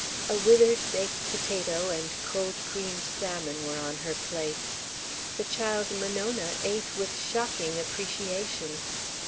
A withered baked potato and cold creamed salmon were on her plate. The child Monona ate with shocking appreciation.